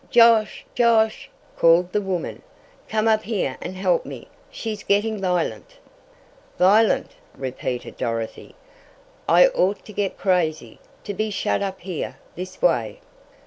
"Josh! Josh!" called the woman. "Come up here and help me! She's gettin' vi'lent!" "Violent!" repeated Dorothy, "I ought to get crazy, to be shut up here this way."